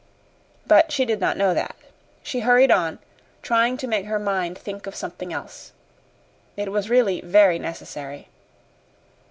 But she did not know that. She hurried on, trying to make her mind think of something else. It was really very necessary.